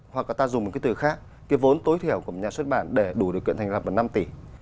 hoặc là ta dùng một cái từ khác cái vốn tối thiểu của nhà xuất bản để đủ điều kiện thành lập năm tỷ